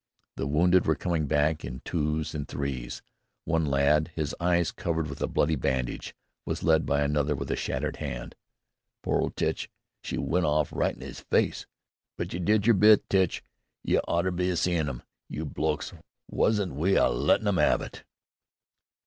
The wounded were coming back in twos and threes. One lad, his eyes covered with a bloody bandage, was led by another with a shattered hand. "Poor old Tich! She went off right in 'is face! But you did yer bit, Tich! You ought to 'a' seen 'im, you blokes! Wasn't 'e a lettin' 'em 'ave it!"